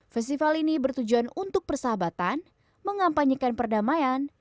festival ini bertujuan untuk persahabatan mengampanyekan perdamaian